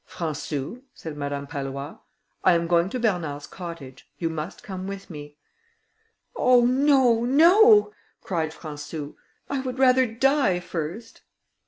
"Françou," said Madame Pallois, "I am going to Bernard's cottage. You must come with me." "Oh! no, no," cried Françou, "I would rather die first."